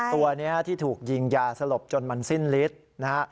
ตัวนี้ที่ถูกยิงยาสลบจนมันสิ้นฤทธิ์นะฮะ